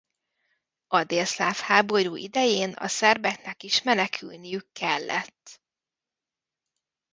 A délszláv háború idején a szerbeknek is menekülniük kellett.